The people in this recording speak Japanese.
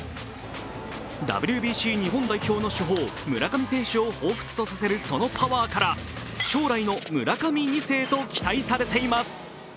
ＷＢＣ日本代表の主砲、村上選手を彷彿とさせるそのパワーから将来の村上２世と期待されています